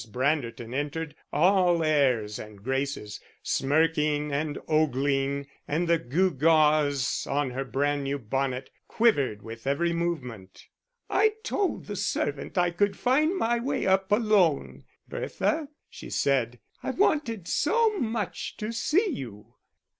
Branderton entered, all airs and graces, smirking and ogling, and the gew gaws on her brand new bonnet quivered with every movement. "I told the servant I could find my way up alone, Bertha," she said. "I wanted so much to see you."